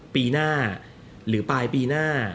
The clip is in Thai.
ปีหน้าหรือปลายปีหน้า